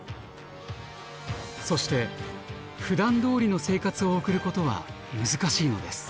そしてふだんどおりの生活を送ることは難しいのです。